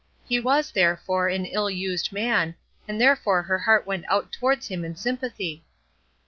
He was, therefore, an ill used man, and therefore her heart went out towards him in sympathy.